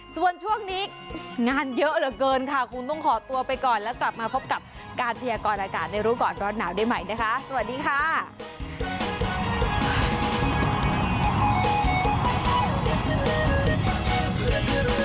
ส่วนช่วงนี้งานเยอะเหลือเกินค่ะคงต้องขอตัวไปก่อนแล้วกลับมาพบกับการพยากรอากาศในรู้ก่อนร้อนหนาวได้ใหม่นะคะสวัสดีค่ะ